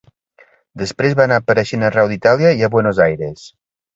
Després va anar apareixent arreu d'Itàlia i a Buenos Aires.